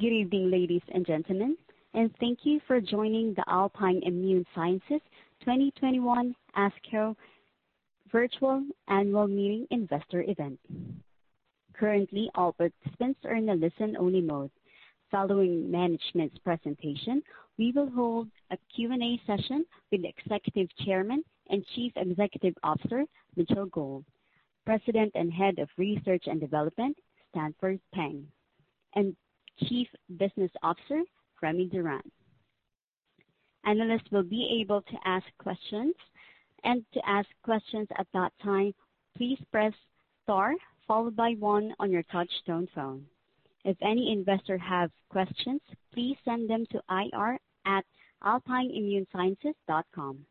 Good evening, ladies and gentlemen, and thank you for joining the Alpine Immune Sciences 2021 ASCO Virtual Annual Meeting Investor Event. Currently, all participants are in a listen-only mode. Following management's presentation, we will hold a Q&A session with Executive Chairman and Chief Executive Officer, Mitchell Gold, President and Head of Research and Development, Stanford Peng, and Chief Business Officer, Remy Durand. Analysts will be able to ask questions. To ask questions at that time, please press star followed by one on your touchtone phone. If any investor have questions, please send them to ir@alpineimmunesciences.com.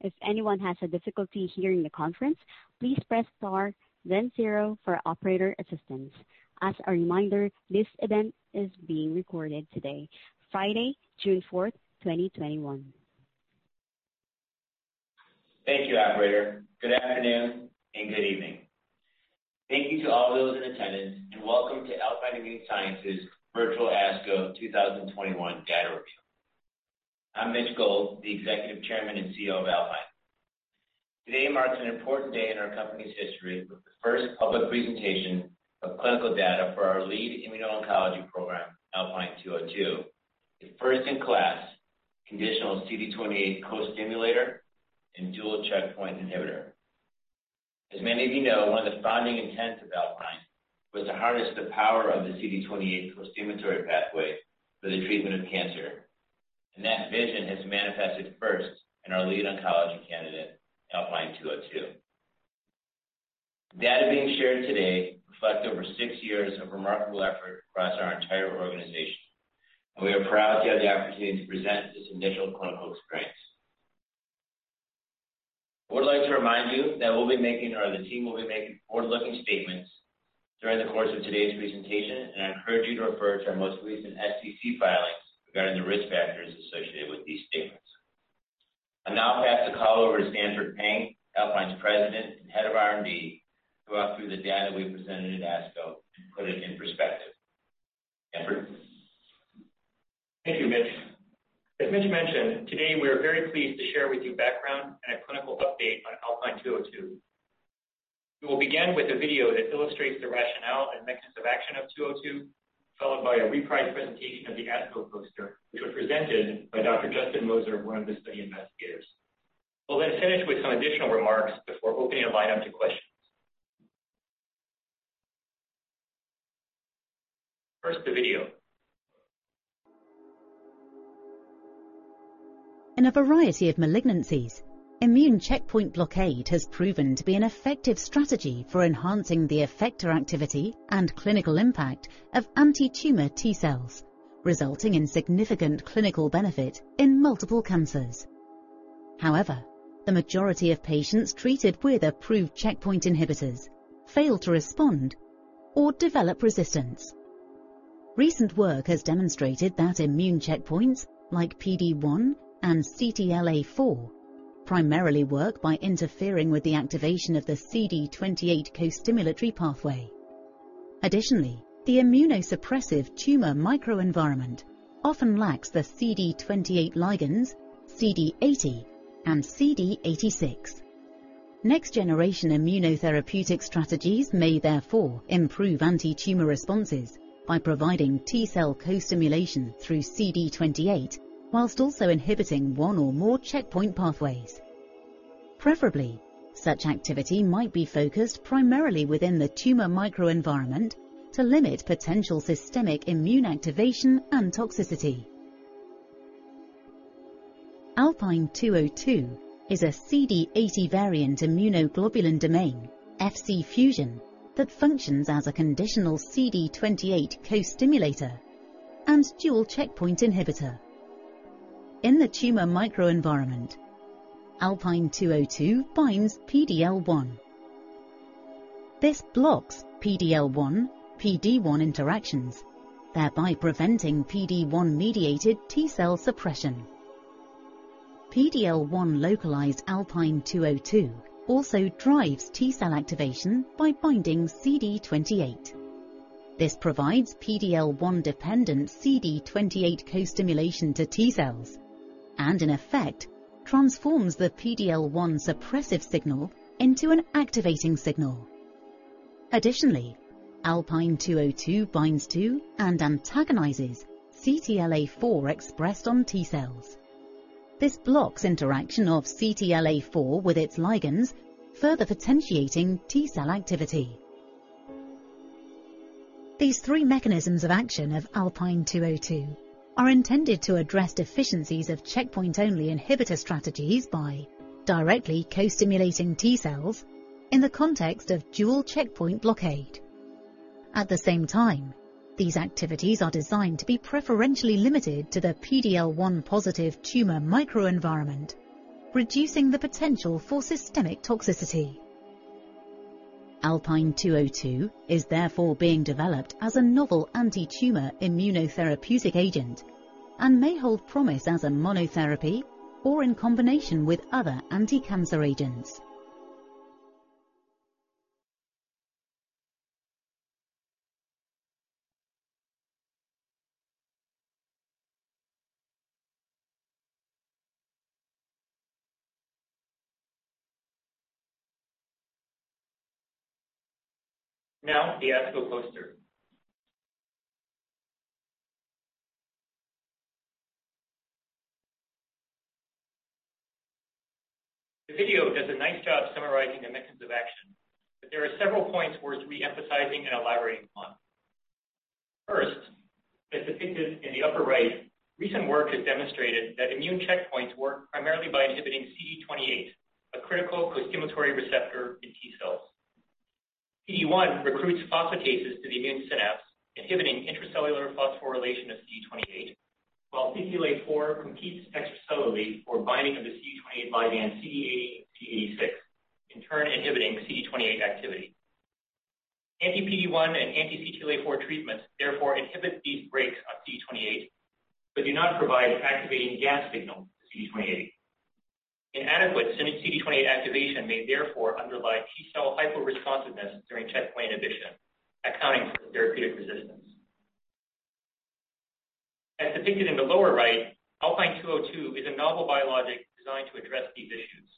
If anyone has a difficulty hearing the conference, please press star then zero for operator assistance. As a reminder, this event is being recorded today, Friday, June 4th, 2021. Thank you, operator. Good afternoon and good evening. Thank you to all those in attendance, and welcome to Alpine Immune Sciences Virtual ASCO 2021 Data Reveal. I'm Mitch Gold, the Executive Chairman and CEO of Alpine. Today marks an important day in our company's history with the first public presentation of clinical data for our lead immuno-oncology program, Alpine-202, the first-in-class conditional CD28 co-stimulator and dual checkpoint inhibitor. As many of you know, one of the founding intents of Alpine was to harness the power of the CD28 costimulatory pathway for the treatment of cancer, and that vision has manifested first in our lead oncology candidate, Alpine-202. Data being shared today reflect over six years of remarkable effort across our entire organization, and we are proud to have the opportunity to present this initial clinical experience. I would like to remind you that we'll be making, or the team will be making, forward-looking statements during the course of today's presentation, and I encourage you to refer to our most recent SEC filings regarding the risk factors associated with these statements. I'll now pass the call over to Stanford Peng, Alpine's President and Head of R&D, to walk through the data we presented at ASCO to put it in perspective. Stanford? Thank you, Mitch. As Mitch mentioned, today we are very pleased to share with you background and a clinical update on ALPN-202. We will begin with a video that illustrates the rationale and mechanisms of action of ALPN-202, followed by a reprised presentation of the ASCO poster, which was presented by Dr. Justin Moser, one of the study investigators. We'll then finish with some additional remarks before opening the line up to questions. First, the video. In a variety of malignancies, immune checkpoint blockade has proven to be an effective strategy for enhancing the effector activity and clinical impact of anti-tumor T cells, resulting in significant clinical benefit in multiple cancers. However, the majority of patients treated with approved checkpoint inhibitors fail to respond or develop resistance. Recent work has demonstrated that immune checkpoints like PD-1 and CTLA-4 primarily work by interfering with the activation of the CD28 costimulatory pathway. Additionally, the immunosuppressive tumor microenvironment often lacks the CD28 ligands, CD80 and CD86. Next-generation immunotherapeutic strategies may therefore improve anti-tumor responses by providing T-cell co-stimulation through CD28, while also inhibiting one or more checkpoint pathways. Preferably, such activity might be focused primarily within the tumor microenvironment to limit potential systemic immune activation and toxicity. ALPN-202 is a CD80 variant immunoglobulin domain Fc fusion that functions as a conditional CD28 co-stimulator and dual checkpoint inhibitor. In the tumor microenvironment, ALPN-202 binds PD-L1. This blocks PD-L1/PD-1 interactions, thereby preventing PD-1-mediated T-cell suppression. PD-L1-localized ALPN-202 also drives T-cell activation by binding CD28. This provides PD-L1-dependent CD28 co-stimulation to T cells, and in effect, transforms the PD-L1 suppressive signal into an activating signal. Additionally, ALPN-202 binds to and antagonizes CTLA-4 expressed on T cells. This blocks interaction of CTLA-4 with its ligands, further potentiating T-cell activity. These three mechanisms of action of ALPN-202 are intended to address deficiencies of checkpoint-only inhibitor strategies by directly co-stimulating T cells in the context of dual checkpoint blockade. At the same time, these activities are designed to be preferentially limited to the PD-L1+ tumor microenvironment, reducing the potential for systemic toxicity. ALPN-202 is therefore being developed as a novel anti-tumor immunotherapeutic agent and may hold promise as a monotherapy or in combination with other anticancer agents. Now the ASCO poster. The video does a nice job summarizing the mechanisms of action, but there are several points worth re-emphasizing and elaborating on. First, as depicted in the upper right, recent work has demonstrated that immune checkpoints work primarily by inhibiting CD28, a critical costimulatory receptor in T cells. PD-1 recruits phosphatases to the immune synapse, inhibiting intracellular phosphorylation of CD28, while CTLA-4 competes extracellularly for binding of the CD28 by the CD80/CD86, in turn inhibiting CD28 activity. Anti-PD-1 and anti-CTLA-4 treatments therefore inhibit these brakes of CD28 but do not provide activating gas signals to CD28. Inadequate synthetic CD28 activation may therefore underlie T cell hyperresponsiveness during checkpoint inhibition, accounting for therapeutic resistance. As depicted in the lower right, ALPN-202 is a novel biologic designed to address these issues.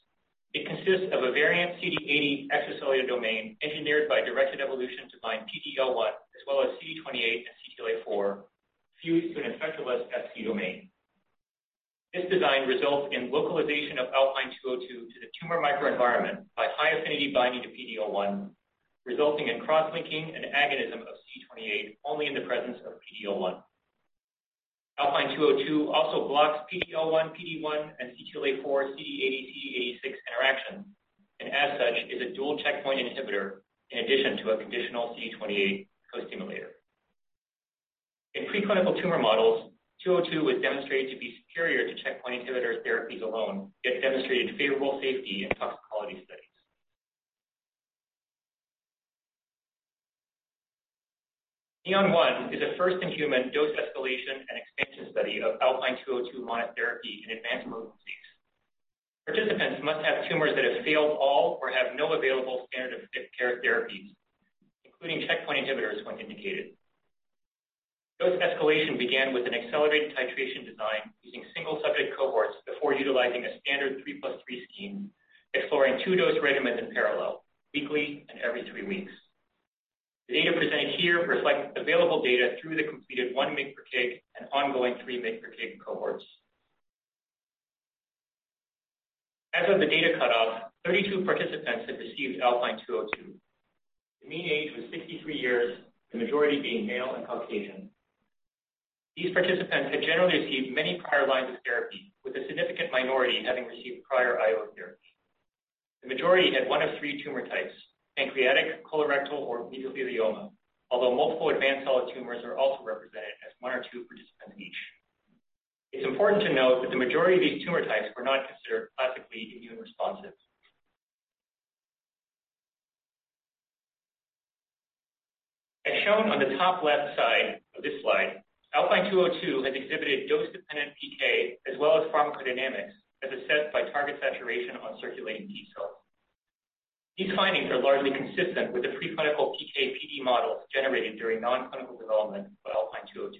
It consists of a variant CD80 extracellular domain engineered by directed evolution to bind PD-L1, as well as CD28 and CTLA-4 fused to an Effectorless Fc domain. This design results in localization of ALPN-202 to the tumor microenvironment by high affinity binding to PD-L1, resulting in cross-linking and agonism of CD28 only in the presence of PD-L1. ALPN-202 also blocks PD-L1, PD-1, and CTLA-4 CD80/CD86 interaction, and as such, is a dual checkpoint inhibitor in addition to a traditional CD28 co-stimulator. In preclinical tumor models, ALPN-202 was demonstrated to be superior to checkpoint inhibitor therapies alone, yet demonstrated favorable safety in toxicology studies. NEON-1 is a first-in-human dose escalation and expansion study of ALPN-202 monotherapy in advanced solid disease. Participants must have tumors that have failed all or have no available standard of care therapies, including checkpoint inhibitors when indicated. Dose escalation began with an accelerated titration design using single-subject cohorts before utilizing a standard 3+3 scheme, exploring two dose regimens in parallel, weekly and every three weeks. The data presented here reflects available data through the completed 1 mg/kg weekly and ongoing every 3 mg/kg weekly cohorts. As of the data cutoff, 32 participants have received ALPN-202. The mean age was 63 years, the majority being male and Caucasian. These participants had generally received many prior lines of therapy, with a significant minority having received prior IO therapy. The majority had one of three tumor types, pancreatic, colorectal, or mesothelioma, although multiple advanced solid tumors are also represented as one or two each. It's important to note that the majority of these tumor types were not considered classically immune responsive. As shown on the top left side of this slide, ALPN-202 had exhibited dose-dependent PK as well as pharmacodynamics, as assessed by target saturation on circulating T cells. These findings are largely consistent with the preclinical PK/PD models generated during non-clinical development of ALPN-202.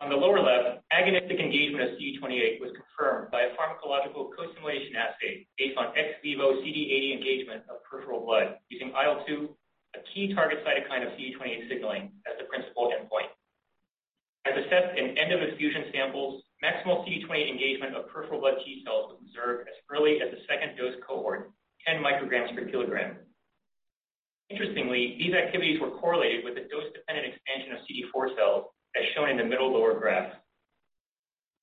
On the lower left, agonistic engagement of CD28 was confirmed by a pharmacological costimulation assay based on ex vivo CTLA-4 engagement of peripheral blood using IL-2, a key target cytokine of CD28 signaling as the principal endpoint. As assessed in end of infusion samples, maximal CD28 engagement of peripheral blood T cells was observed as early as the second dose cohort, 10 mg/kg. Interestingly, these activities were correlated with a dose-dependent expansion of CTLA-4 cells, as shown in the middle lower graph.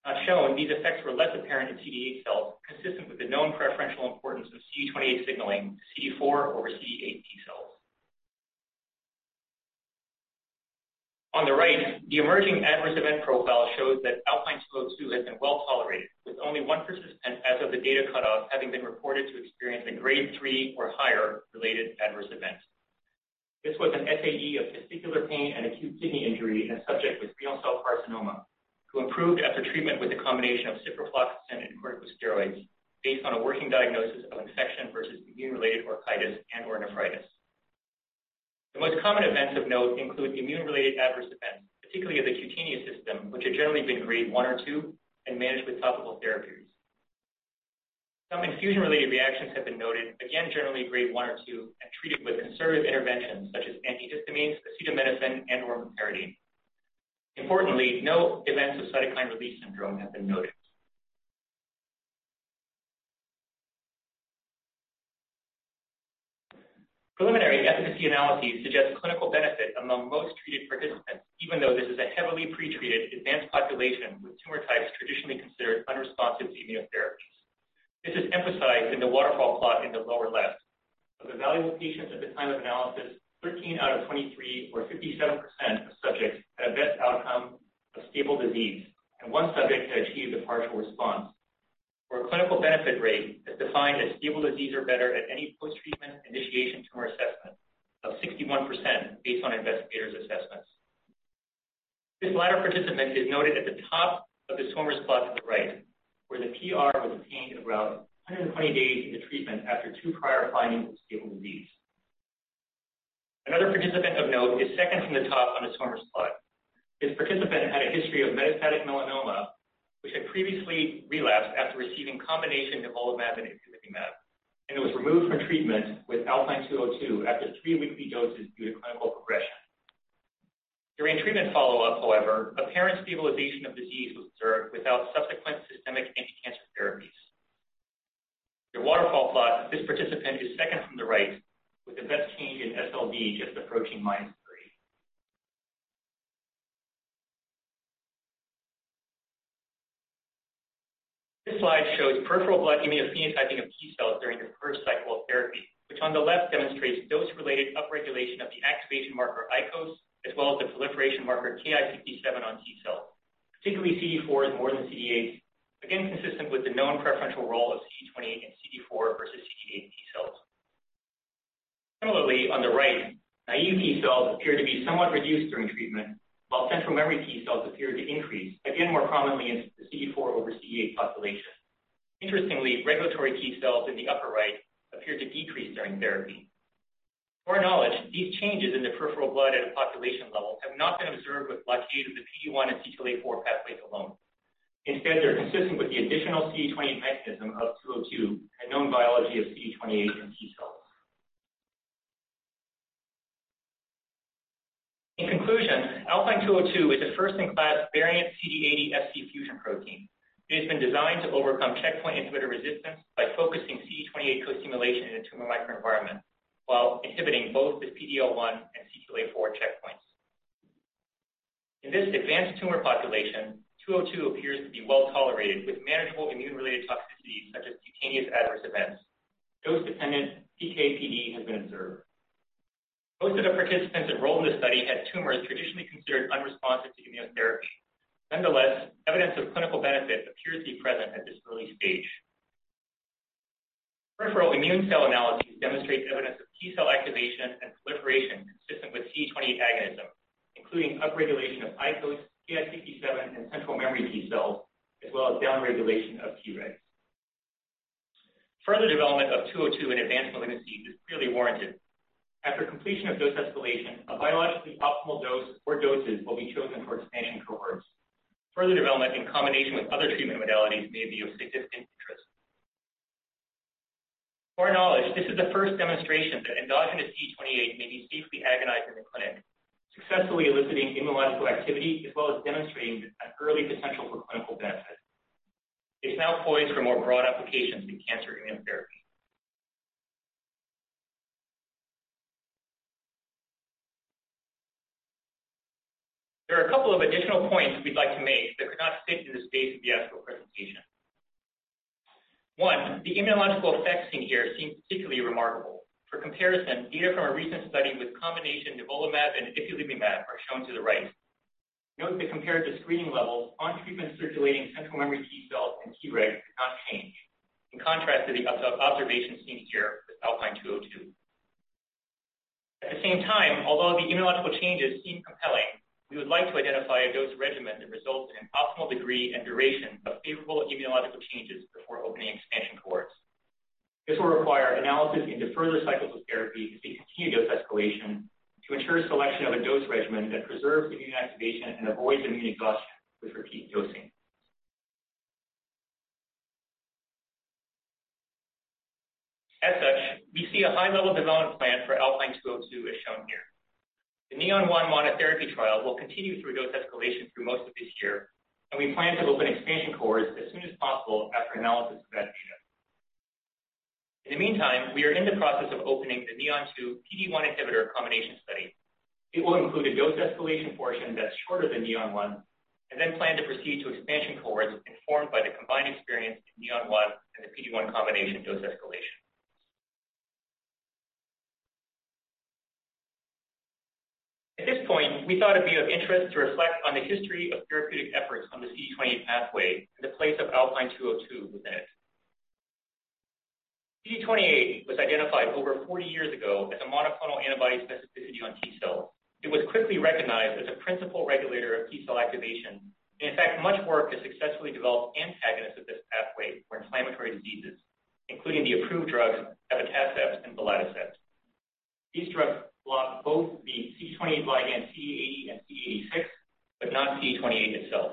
As shown, these effects were less apparent in CD8 cells, consistent with the known preferential importance of CD28 signaling CTLA-4 over CD8 T cells. On the right, the emerging adverse event profile shows that ALPN-202 has been well tolerated, with only one patient as of the data cutoff having been reported to experience a grade three or higher related adverse event. This was an SAE of testicular pain and acute kidney injury in a subject with renal cell carcinoma, who improved after treatment with a combination of ciprofloxacin and corticosteroids based on a working diagnosis of infection versus immune-related orchitis and epididymitis. The most common events of note include immune-related adverse events, particularly of the cutaneous system, which have generally been grade one or two and managed with topical therapies. Some infusion-related reactions have been noted, again, generally grade one or two, and treated with conservative interventions such as antihistamines, acetaminophen, and warm saline. Importantly, no events of cytokine release syndrome have been noted. Preliminary efficacy analyses suggest clinical benefit among most treated participants, even though this is a heavily pretreated, advanced population with tumor types traditionally considered unresponsive to immune therapies. This is emphasized in the waterfall plot in the lower left. Of the evaluable patients at the time of analysis, 13 out of 23 or 57% of subjects had an event outcome of stable disease, and one subject had achieved a partial response. For a clinical benefit rate that defined as stable disease or better at any post-treatment initiation tumor assessment of 61% based on investigators' assessments. This latter participant is noted at the top of the swimmer's plot at the right, where the PR was obtained around 120 days into treatment after two prior findings of stable disease. Another participant of note is second from the top on the swimmer's plot. This participant had a history of metastatic melanoma which had previously relapsed after receiving combination nivolumab and ipilimumab, and was removed from treatment with ALPN-202 after three weekly doses due to clinical progression. During treatment follow-up, however, apparent stabilization of disease was observed without subsequent systemic anti-cancer therapies. In the waterfall plot, this participant is second from the right with the best change in SLD, just approaching -3. This slide shows peripheral blood immunophenotyping of T cells during the first cycle of therapy, which on the left demonstrates dose-related upregulation of the activation marker ICOS, as well as the proliferation marker Ki-67 on T cells, particularly CTLA-4s more than CD8s, again consistent with the known preferential role of CD28 in CTLA-4 versus CD8 T cells. Similarly, on the right, naive T cells appear to be somewhat reduced during treatment, while central memory T cells appear to increase, again more prominently in the CTLA-4 over CD8 population. Interestingly, regulatory T cells in the upper right appeared to decrease during therapy. To our knowledge, these changes in the peripheral blood at a population level have not been observed with blockade of the PD-1 and CTLA-4 pathways alone. Instead, they're consistent with the additional CD28 mechanism of ALPN-202 and known biology of CD28 in T cells. In conclusion, ALPN-202 is a first-in-class variant CD80 Fc fusion protein. It has been designed to overcome checkpoint inhibitor resistance by focusing CD28 co-stimulation in the tumor microenvironment while inhibiting both the PD-L1 and CTLA-4 checkpoints. In this advanced tumor population, ALPN-202 appears to be well-tolerated with manageable immune-related toxicities such as cutaneous adverse events. Dose-dependent PK/PD has been observed. Most of the participants enrolled in this study had tumors traditionally considered unresponsive to immunotherapy. Nonetheless, evidence of clinical benefit appears to be present at this early stage. Peripheral immune cell analyses demonstrate evidence of T cell activation and proliferation consistent with CD28 agonism, including upregulation of ICOS, Ki-67, and central memory T cells, as well as downregulation of Tregs. Further development of ALPN-202 in advanced malignancies is clearly warranted. After completion of dose escalation, a biologically optimal dose or doses will be chosen for expanding cohorts. Further development in combination with other treatment modalities may be of significant interest. To our knowledge, this is the first demonstration that endogenous CD28 may be safely agonized in the clinic, successfully eliciting immunological activity, as well as demonstrating an early potential for clinical benefit. It's now poised for more broad applications in cancer immunotherapy. There are a couple of additional points we'd like to make that could not fit in the space of the ASCO presentation. One, the immunological effects seen here seem particularly remarkable. For comparison, data from a recent study with combination nivolumab and ipilimumab are shown to the right. Note that compared to screening levels, on-treatment circulating central memory T cells and Tregs do not change, in contrast to the observations seen here with ALPN-202. At the same time, although the immunological changes seem compelling, we would like to identify a dose regimen that results in an optimal degree and duration of favorable immunological changes before opening expansion cohorts. This will require analysis into further cycles of therapy as we continue dose escalation to ensure selection of a dose regimen that preserves immune activation and avoids immune exhaustion with repeat dosing. As such, we see a high-level development plan for ALPN-202 as shown here. The NEON-1 monotherapy trial will continue through dose escalation through most of this year, and we plan to open expansion cohorts as soon as possible after analysis of that data. In the meantime, we are in the process of opening the NEON-2 PD-1 inhibitor combination study. It will include a dose escalation portion that's shorter than NEON-1 and then plan to proceed to expansion cohorts informed by the combined experience in NEON-1 and the PD-1 combination dose escalation. At this point, we thought it'd be of interest to reflect on the history of therapeutic efforts on the CD28 pathway and the place of ALPN-202 within it. CD28 was identified over 40 years ago as a monoclonal antibody specificity on T cells. It was quickly recognized as a principal regulator of T cell activation. In fact, much work has successfully developed antagonists of this pathway for inflammatory diseases, including the approved drugs abatacept and belatacept. These drugs block both the CD28 ligands CD80 and CD86, but not CD28 itself.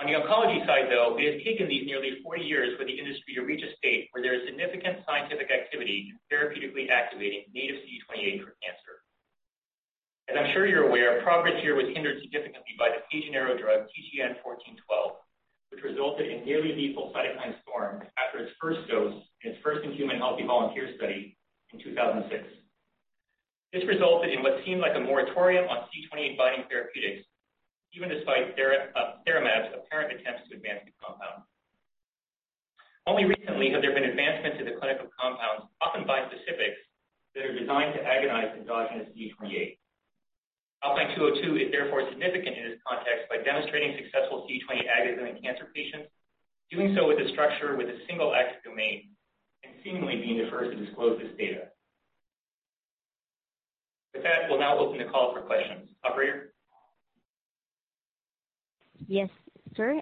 On the oncology side, though, it has taken these nearly 40 years for the industry to reach a state where there is significant scientific activity in therapeutically activating native CD28 for cancer. As I'm sure you're aware, progress here was hindered significantly by the TeGenero drug TGN1412, which resulted in nearly lethal cytokine storm after its first dose in its first-in-human healthy volunteer study in 2006. This resulted in what seemed like a moratorium on CD28 binding therapeutics, even despite TheraMAB's apparent attempts to advance the compound. Only recently have there been advancements in the clinical compounds, often bispecifics, that are designed to agonize endogenous CD28. ALPN-202 is therefore significant in this context by demonstrating successful CD28 agonism in cancer patients, doing so with a structure with a single ectodomain. Seemingly the first to disclose this data. With that, we'll now open the call for questions. Operator? Yes, sir.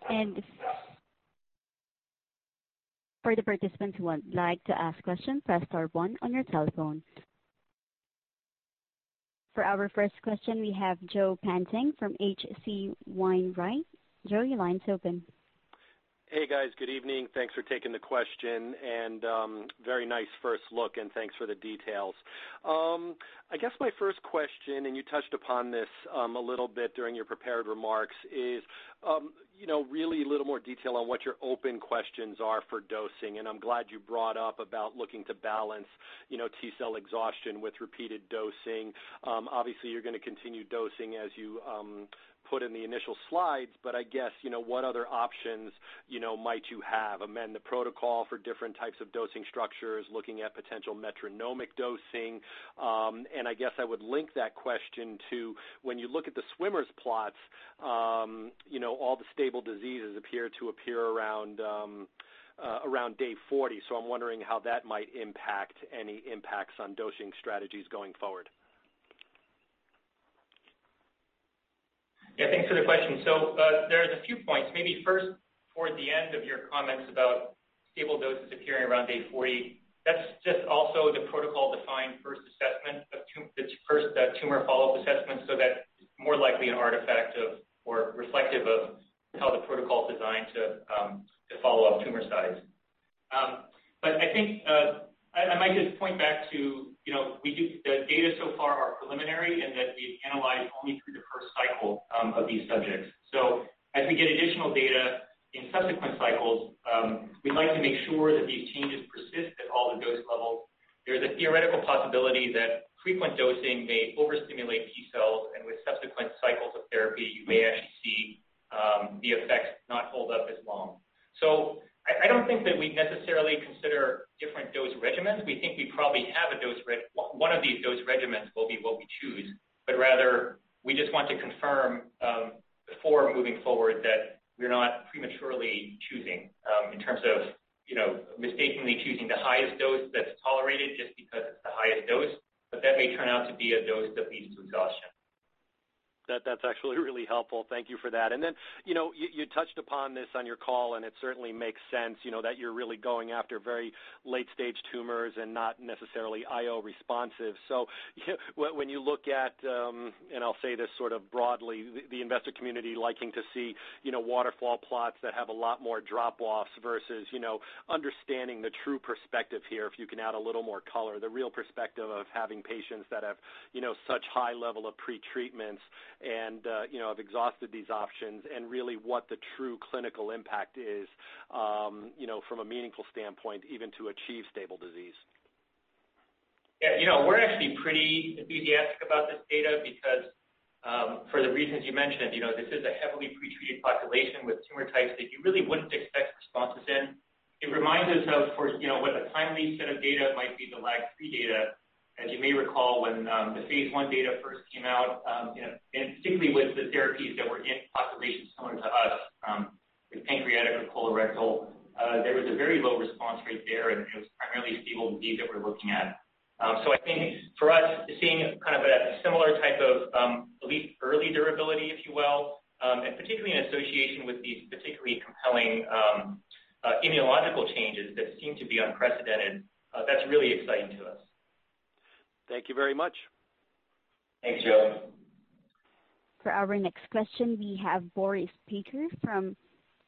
For the participants who would like to ask questions, press star one on your telephone. For our first question, we have Joseph Pantginis from H.C. Wainwright. Joe, your line's open. Hey, guys. Good evening. Thanks for taking the question, very nice first look, thanks for the details. I guess my first question, you touched upon this a little bit during your prepared remarks, is really a little more detail on what your open questions are for dosing. I'm glad you brought up about looking to balance T cell exhaustion with repeated dosing. Obviously, you're going to continue dosing as you put in the initial slides. I guess, what other options might you have? Amend the protocol for different types of dosing structures, looking at potential metronomic dosing. I guess I would link that question to when you look at the swimmer's plots, all the stable diseases appear to appear around day 40. I'm wondering how that might impact any impacts on dosing strategies going forward. Yeah, thanks for the question. There's a few points. Maybe first, toward the end of your comments about stable doses appearing around day 40, that's just also the protocol-defined first assessment, the first tumor follow-up assessment, that's more likely an artifact of or reflective of how the protocol is designed to follow up tumor size. I think I might just point back to, the data so far are preliminary in that we've analyzed only through the first cycle of these subjects. As we get additional data in subsequent cycles, we'd like to make sure that these changes persist at all the dose levels. There's a theoretical possibility that frequent dosing may overstimulate T cells, and with subsequent cycles of therapy, you may actually see the effects not hold up as long. I don't think that we necessarily consider different dose regimens. We think one of these dose regimens will be what we choose, rather, we just want to confirm before moving forward that we're not prematurely choosing in terms of mistakenly choosing the highest dose that's tolerated just because it's the highest dose. That may turn out to be a dose that leads to exhaustion. That's actually really helpful. Thank you for that. You touched upon this on your call, and it certainly makes sense, that you're really going after very late-stage tumors and not necessarily IO responsive. When you look at, and I'll say this sort of broadly, the investor community liking to see waterfall plots that have a lot more drop-offs versus understanding the true perspective here, if you can add a little more color, the real perspective of having patients that have such high level of pretreatments and have exhausted these options and really what the true clinical impact is, from a meaningful standpoint, even to achieve stable disease? Yeah, we're actually pretty enthusiastic about this data because, for the reasons you mentioned. This is a heavily pretreated population with tumor types that you really wouldn't expect responses in. It reminds us of, with a timely set of data, it might be the LAG-3 data. As you may recall, when the phase I data first came out, particularly with the therapies that were in populations similar to us, with pancreatic or colorectal, there was a very low response rate there, it was primarily stable disease that we're looking at. I think for us, seeing a similar type of elite early durability, if you will, particularly in association with these particularly compelling immunological changes that seem to be unprecedented, that's really exciting to us. Thank you very much. Thanks, Joe. For our next question, we have Boris Peaker from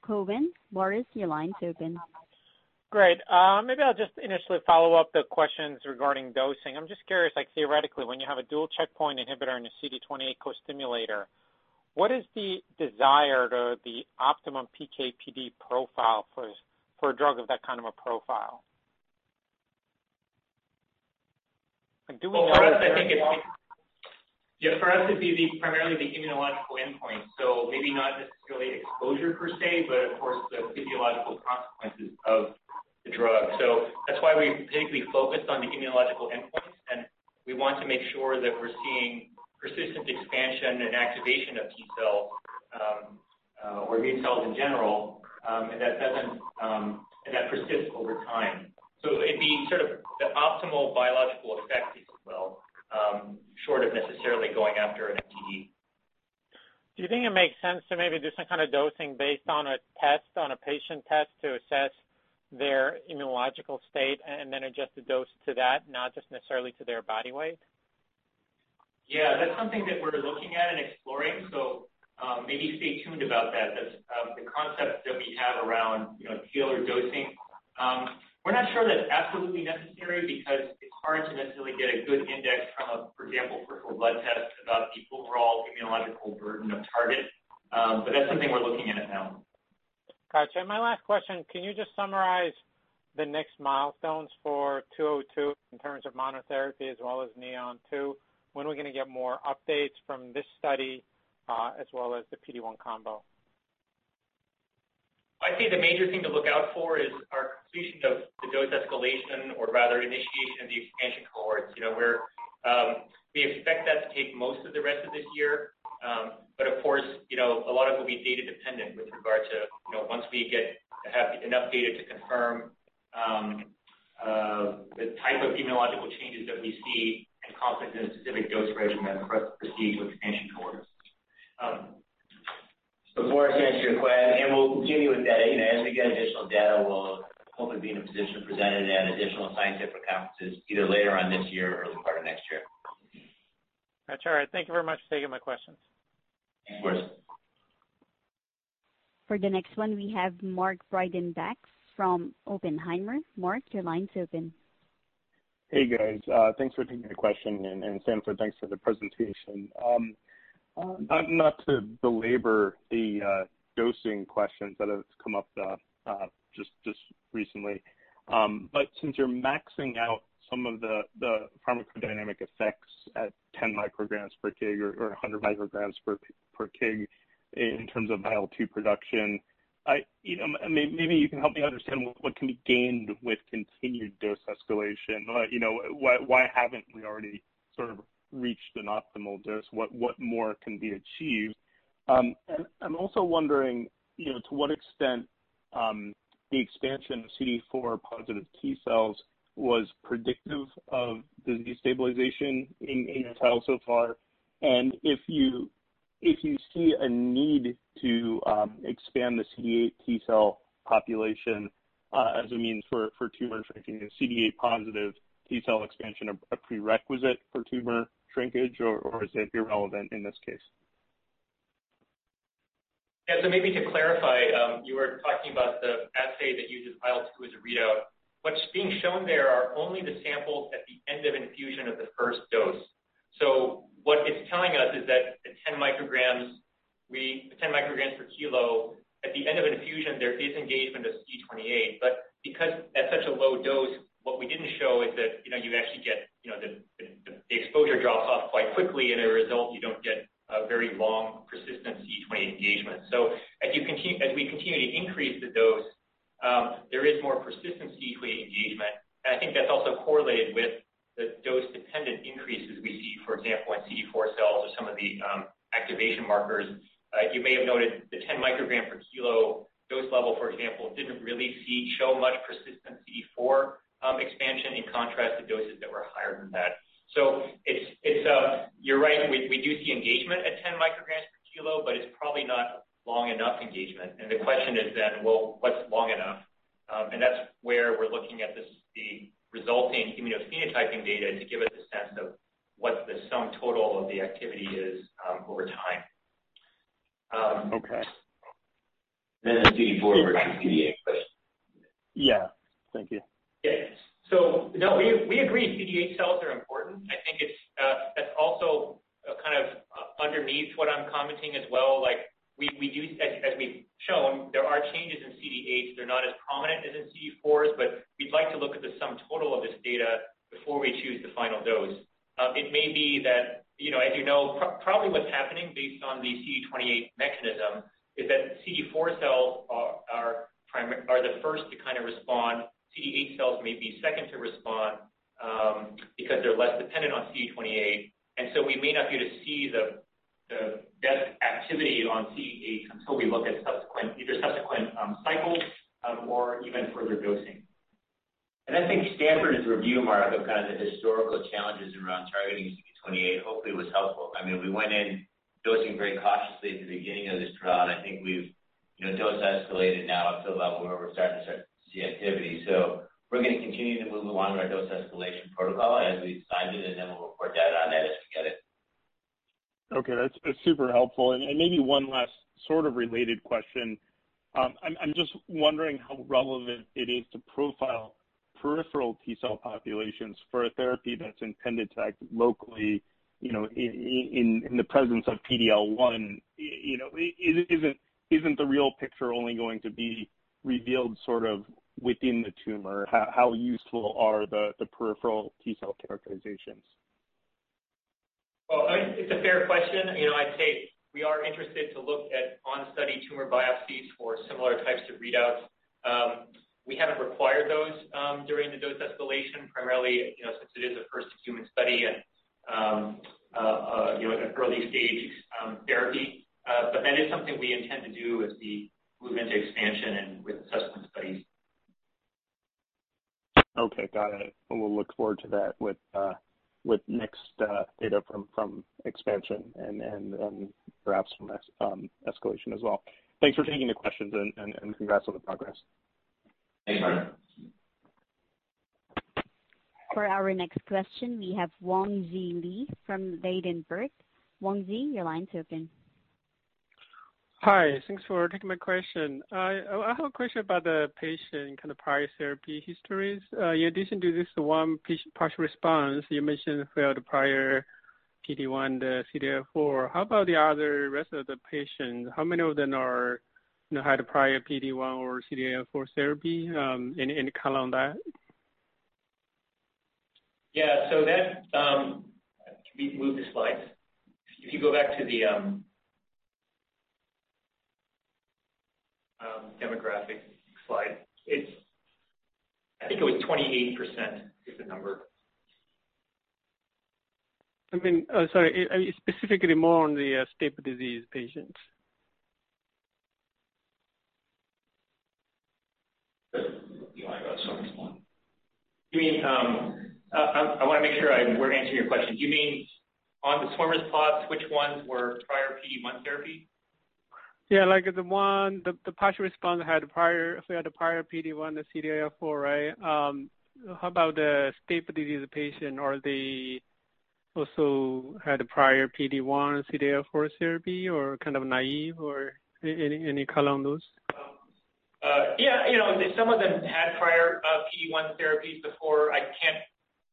Cowen. Boris, your line's open. Great. Maybe I'll just initially follow up the questions regarding dosing. I'm just curious, theoretically, when you have a dual checkpoint inhibitor and a CD28 co-stimulator, what is the desire to the optimum PK/PD profile for a drug with that kind of a profile? Well, Boris, I think it would be primarily the immunological endpoint, so maybe not necessarily exposure per se, but of course, the physiological consequences of the drug. That is why we have mainly focused on the immunological endpoint, and we want to make sure that we are seeing persistent expansion and activation of T cells or B cells in general, and that persists over time. It would be sort of the optimal biological effect, if you will, short of necessarily going after an PK/PD. Do you think it makes sense to maybe do some kind of dosing based on a test, on a patient test, to assess their immunological state and then adjust the dose to that, not just necessarily to their body weight? That's something that we're looking at and exploring. Maybe stay tuned about that. That's the concept that we have around tailor dosing. We're not sure that's absolutely necessary because it's hard to necessarily get a good index from, for example, a simple blood test about the overall immunological burden of target. That's something we're looking at now. Gotcha. My last question, can you just summarize the next milestones for ALPN-202 in terms of monotherapy as well as NEON-2? When are we going to get more updates from this study as well as the PD-1 combo? I'd say the major thing to look out for is our completion of the dose escalation or rather initiation of the expansion cohorts. We expect that to take most of the rest of this year. Of course, a lot of it will be data dependent with regard to once we have enough data to confirm the type of immunologic changes that we see and confidence in the specific dose regimen to proceed with expansion cohorts. Boris Peaker, thanks for your question, and we'll continue with that. As we get additional data, we'll hopefully be in a position to present it at additional scientific conferences either later on this year or next year. That's all right. Thank you very much for taking my questions. Of course. For the next one, we have Mark Breidenbach from Oppenheimer. Mark, your line's open. Hey, guys. Thanks for taking the question, and Stanford, thanks for the presentation. Not to belabor the dosing questions that have come up just recently. Since you're maxing out some of the pharmacodynamic effects at 10 mg/kg or 100 mg/kg in terms of IL-2 production, maybe you can help me understand what can be gained with continued dose escalation. Why haven't we already sort of reached an optimal dose? What more can be achieved? I'm also wondering to what extent the expansion of CTLA-4 positive T cells was predictive of the disease stabilization achieved so far, and if you see a need to expand the CD8 T cell population as a means for tumor shrinking, is CD8 positive T cell expansion a prerequisite for tumor shrinkage, or is it irrelevant in this case? Yeah. Maybe to clarify, you were talking about the assay that uses IL-2 as a readout. What's being shown there are only the samples at the end of infusion of the first dose. What it's telling us is that at 10 mg/kg, at the end of infusion, there is engagement of CD28. Because at such a low dose, what we didn't show is that the exposure drops off quite quickly, and as a result, you don't get a very long persistent CD28 engagement. As we continue to increase the dose, there is more persistent CD28 engagement, and I think that also correlates with the dose-dependent increases we see, for example, in CTLA-4 cells or some of the activation markers. You may have noted the 10 mg/kg dose level, for example, didn't really show much persistent CTLA-4 expansion in contrast to doses that were higher than that. You're right, we do see engagement at 10 mg/kg, but it's probably not long enough engagement. The question is, well, what's long enough? That's where we're looking at the resulting immunophenotyping data to give us a sense of what the sum total of the activity is over time. Okay. To the CTLA-4 versus CD8 question. Yeah. Thank you. Yeah. No, we agree CD8 cells are important. I think it's also kind of underneath what I'm commenting as well, as we've shown, there are changes in CD8. They're not as prominent as in CTLA-4, but we'd like to look at the sum total of this data before we choose the final dose. It may be that, as you know, probably what's happening based on the CD28 mechanism is that CTLA-4 cells are the first to kind of respond. CD8 cells may be second to respond because they're less dependent on CD28, and so we may not get to see the depth activity on CD8 until we look at either subsequent cycles or even further dosing. I think Stanford's review, Mark, of kind of the historical challenges around targeting CD28 hopefully was helpful. We went in dosing very cautiously at the beginning of this trial, and I think we've dose escalated now to the level where we're starting to see activity. We're going to continue to move along our dose escalation protocol as we've designed it, and then we'll report data on it as we get it. Okay. That's super helpful. Maybe one last sort of related question. I'm just wondering how relevant it is to profile peripheral T cell populations for a therapy that's intended to act locally in the presence of PD-L1. Isn't the real picture only going to be revealed sort of within the tumor? How useful are the peripheral T cell characterizations? Well, I think it's a fair question. I'd say we are interested to look at on-study tumor biopsies for similar types of readout. We haven't required those during the dose escalation primarily since it is a first human study at an early-stage therapy. That is something we intend to do as we move into expansion and with subsequent studies. Okay. Got it. We'll look forward to that with next data from expansion and then perhaps from escalation as well. Thanks for taking the questions and congrats on the progress. Thanks. For our next question, we have Wangzhi Li from Baird. Wangzhi, your line's open. Hi. Thanks for taking my question. I have a question about the patient prior therapy histories. In addition to this one partial response you mentioned we had prior PD-1, CTLA-4. How about the other rest of the patients? How many of them had prior PD-1 or CTLA-4 therapy? Any count on that? Yeah. Can we move the slide? Can you go back to the Demographic slide. I think it was 28% is the number. Sorry, specifically more on the stable disease patients. Do you want to go to this one? I want to make sure I'm answering your question. Do you mean on the waterfall plots, which ones were prior PD-1 therapy? Yeah, the partial response had a prior PD-1, the CTLA-4. How about the stable disease patient? They also had a prior PD-1, CTLA-4 therapy or kind of naive or any color on those? Yeah. Some of them had prior PD-1 therapy before. I can't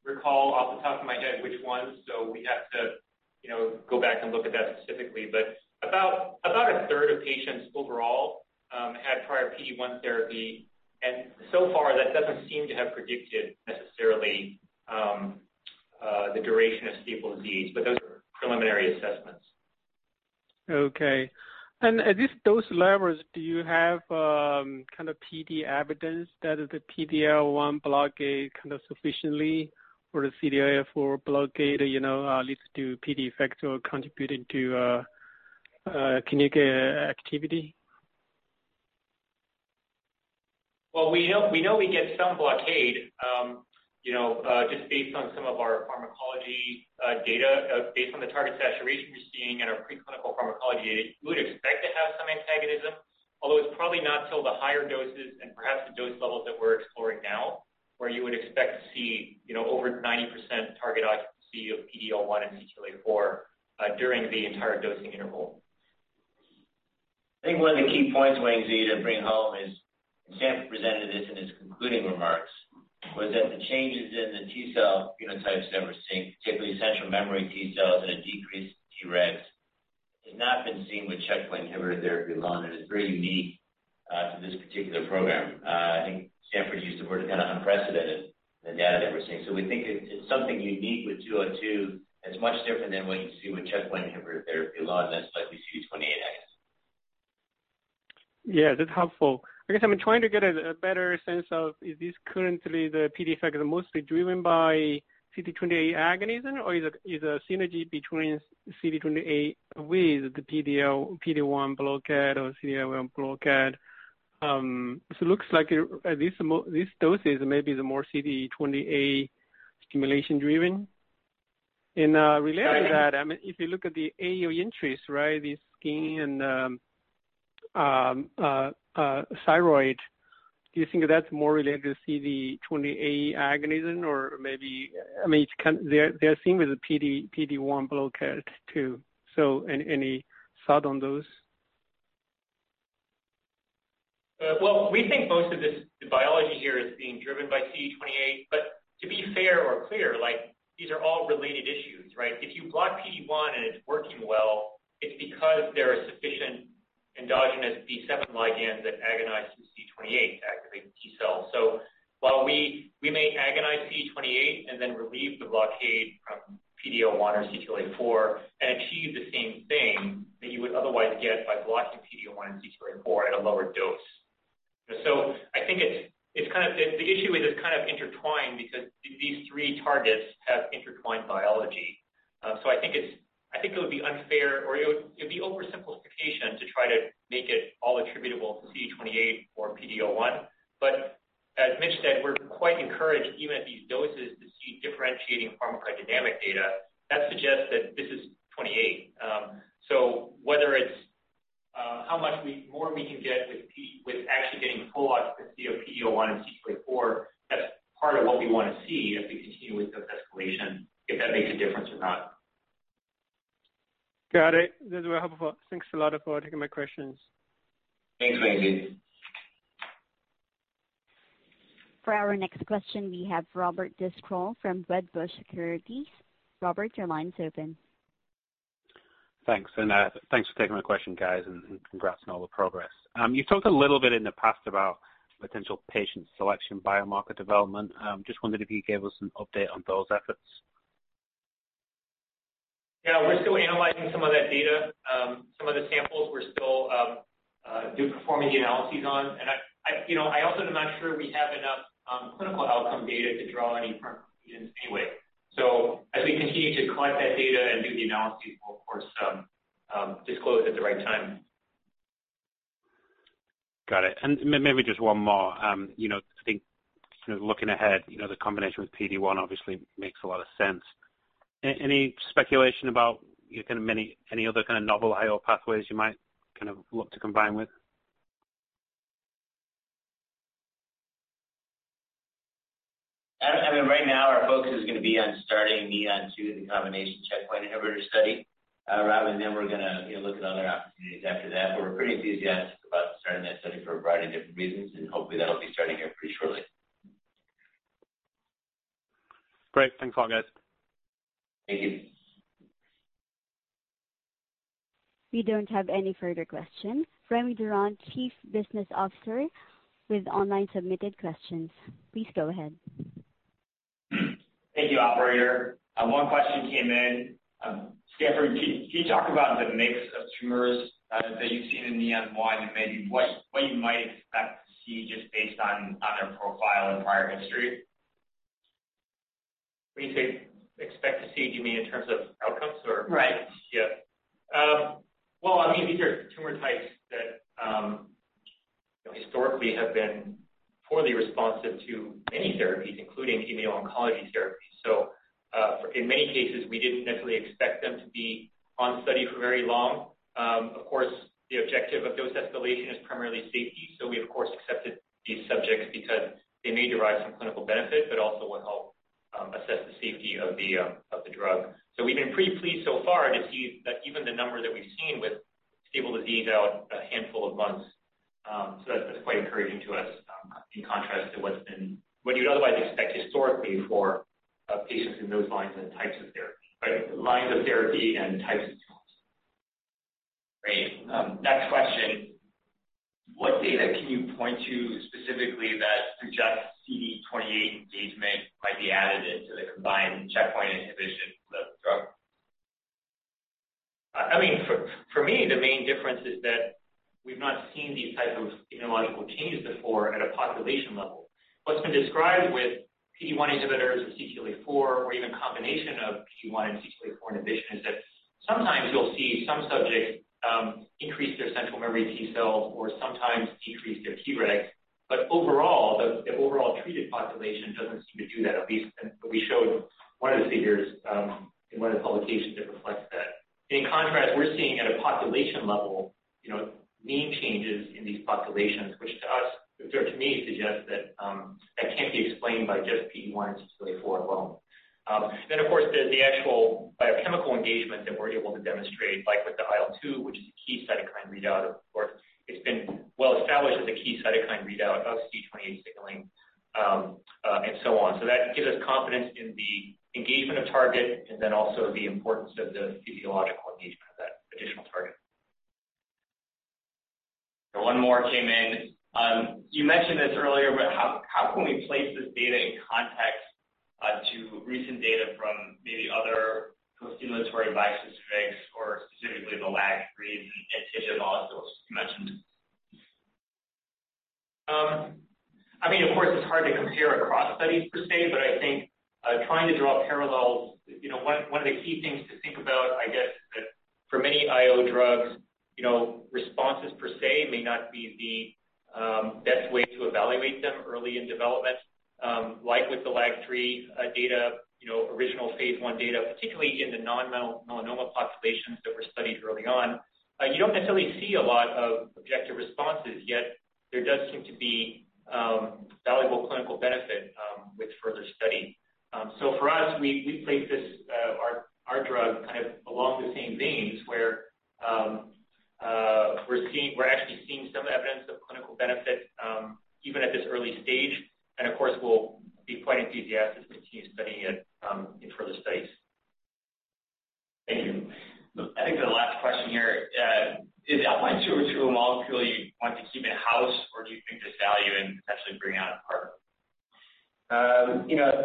recall off the top of my head which ones, so we'd have to go back and look at that specifically, but about a third of patients overall had prior PD-1 therapy, and so far, that doesn't seem to have predicted necessarily the duration of stable disease. Those are preliminary assessments. Okay. At least those levels, do you have PD evidence that the PD-L1 blockade sufficiently or the CTLA-4 blockade leads to PD effect or contributing to clinical activity? Well, we know we get some blockade just based on some of our pharmacology data. Based on the target saturation we're seeing in our preclinical pharmacology data, you would expect to have some antagonism, although it's probably not until the higher doses and perhaps the dose levels that we're exploring now, where you would expect to see over 90% target occupancy of PD-L1 and CTLA-4 during the entire dosing interval. I think one of the key points I wanted to bring home is, and Stanford presented this in his concluding remarks, was that the changes in the T cell phenotypes that we're seeing, particularly central memory T cells and a decrease in Tregs, has not been seen with checkpoint inhibitor therapy alone, and is very unique to this particular program. I think Stanford used the word unprecedented, the data that we're seeing. We think it's something unique with ALPN-202 that's much different than what you see with checkpoint inhibitor therapy alone, that's like the CD28 axis. Yeah, that's helpful. I'm trying to get a better sense of, is this currently the PD effect mostly driven by CD28 agonism, or is it synergy between CD28 with the PD-L1, PD-1 blockade or PD-L1 blockade? It looks like this dosage may be the more CD28 stimulation driven. Related to that, if you look at the area of interest, the skin and thyroid, do you think that's more related to CD28 agonism or maybe they're seeing with the PD-1 blockade, too. Any thought on those? We think most of the biology here is being driven by CD28, but to be fair or clear, these are all related issues, right? If you block PD-1 and it's working well, it's because there are sufficient endogenous B7 ligands that agonize the CD28 activating T cells. While we may agonize CD28 and then relieve the blockade from PD-L1 or CTLA-4 and achieve the same thing that you would otherwise get by blocking PD-L1 and CTLA-4 at a lower dose. I think the issue is it's kind of intertwined because these three targets have intertwined biology. I think it would be unfair or it would be oversimplification to try to make it all attributable to CD28 or PD-L1. As Mitch said, we're quite encouraged even at these doses to see differentiating pharmacodynamic data that suggests that this is CD28. Whether it's how much more we can get with actually getting full occupancy of PD-L1 and CTLA-4, that's part of what we want to see as we continue with this escalation, if that makes a difference or not. Got it. That's very helpful. Thanks a lot for taking my questions. Thanks, Wangzhi Li. For our next question, we have Robert Driscoll from Wedbush Securities. Robert, your line's open. Thanks. Thanks for taking my question, guys, and congrats on all the progress. You talked a little bit in the past about potential patient selection, biomarker development. Just wondering if you could give us an update on those efforts. Yeah. We're still analyzing some of that data, some of the samples we're still doing preliminary analyses on. I also am not sure we have enough clinical outcome data to draw any firm conclusions anyway. I think continue to collect that data and do the analyses, we'll of course disclose it at the right time. Got it. Maybe just one more. I think looking ahead, the combination with PD-1 obviously makes a lot of sense. Any speculation about any other kind of novel I/O pathways you might look to combine with? As of right now, our focus is going to be on starting the NEON-2 combination checkpoint inhibitor study. Then we're going to look at other opportunities after that. We're pretty enthusiastic about starting that study for a variety of different reasons, hopefully that'll be starting here pretty shortly. Great. Thanks a lot, guys. Thank you. We don't have any further questions. Remy Durand, Chief Business Officer, with online submitted questions. Please go ahead. Thank you, operator. One question came in. Stanford, can you talk about the mix of tumors that you've seen in NEON-1 and maybe what you might expect to see just based on their profile and prior history? When you say expect to see, do you mean in terms of outcomes? Right. Yeah. Well, these are tumor types that historically have been poorly responsive to many therapies, including immuno-oncology therapies. In many cases, we didn't necessarily expect them to be on study for very long. Of course, the objective of dose escalation is primarily safety. We of course accepted these subjects because they may derive some clinical benefit, but also will help assess the safety of the drug. We've been pretty pleased so far to see that even the number that we've seen with stable disease now a handful of months. That's quite encouraging to us in contrast to what you'd otherwise expect historically for patients in those lines and types of therapy. Lines of therapy and types of tumors. Great. Next question. What data can you point to specifically that suggests CD28 engagement might be added into the combined checkpoint inhibition of the drug? For me, the main difference is that we've not seen these types of immunological changes before at a population level. What's been described with PD-1 inhibitors or CTLA-4 or even combination of PD-1 and CTLA-4 inhibition is that sometimes you'll see some subjects increase their central memory T cells or sometimes decrease their T-regs, but the overall treated population doesn't seem to do that. At least we showed one of the figures in one of the publications that reflects that. In contrast, we're seeing at a population level mean changes in these populations, which to me suggests that can't be explained by just PD-1 and CTLA-4 alone. Of course, there's the actual biochemical engagement that we're able to demonstrate, like with the IL-2, which is a key cytokine readout. Of course, it's been well established as a key cytokine readout of CD28 signaling and so on. That gives us confidence in the engagement of target and then also the importance of the physiological engagement of that additional target. One more came in. You mentioned this earlier, but how can we place this data in context to recent data from maybe other costimulatory bispecifics or specifically the LAG-3 antigen molecules you mentioned? Of course, it's hard to compare across studies per se. I think trying to draw parallels, one of the key things to think about, I guess, that for many IO drugs, responses per se may not be the best way to evaluate them early in development. Like with the LAG-3 data, original phase I data, particularly in the non-melanoma populations that were studied early on, you don't necessarily see a lot of objective responses, yet there does seem to be valuable clinical benefit with further study. For us, we place our drug along the same veins, where we're actually seeing some evidence of clinical benefit even at this early stage. Of course, we'll be quite enthusiastic to continue studying it in further studies. Thank you. I think the last question here, is ALPN-202 a molecule you want to keep in-house or do you think there's value in potentially bringing on a partner?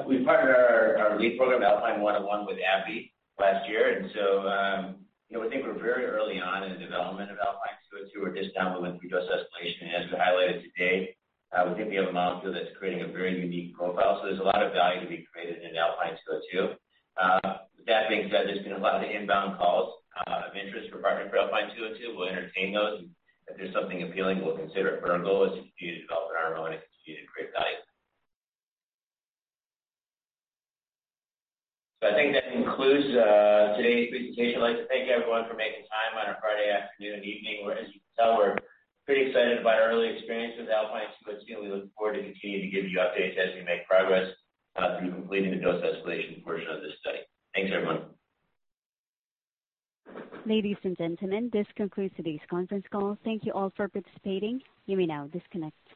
We partnered our lead program, ALPN-101 with AbbVie last year. We think we're very early on in the development of ALPN-202. We're just now moving through dose escalation. As we highlighted today, we think we have a molecule that's creating a very unique profile. There's a lot of value to be created in ALPN-202. With that being said, there's been a lot of inbound calls of interest for partnering for ALPN-202. We'll entertain those, and if there's something appealing, we'll consider it. Our goal is to continue to develop it on our own and continue to create value. I think that concludes today's presentation. I'd like to thank everyone for making time on a Friday afternoon, evening, where as you can tell, we're pretty excited about our early experience with ALPN-202, and we look forward to continuing to give you updates as we make progress through completing the dose escalation portion of this study. Thanks, everyone. Ladies and gentlemen, this concludes today's conference call. Thank you all for participating. You may now disconnect.